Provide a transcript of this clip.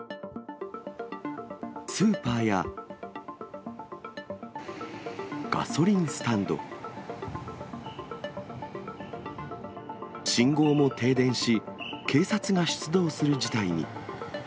スーパーやガソリンスタンド、信号も停電し、警察が出動する事態に。